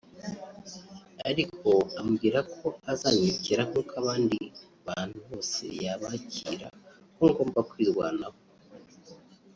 ariko ambwira ko azanyakira nk’uko abandi bantu bose yabakira ko ngomba kwirwanaho